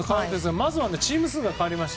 まずはチーム数が変わりました。